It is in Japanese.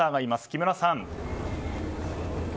木村さん。